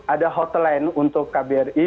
ada hotline untuk kbri